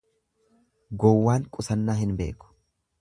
Gowwaan qusannaa hin beeku.